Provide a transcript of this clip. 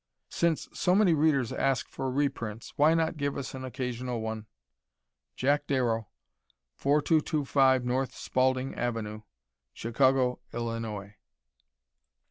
Since so many readers ask for reprints, why not give us an occasional one? Jack Darrow, 4225 N. Spaulding Ave., Chicago, Illinois.